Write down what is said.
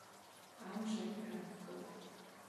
Аав нь шоронд байгаа гэх үү?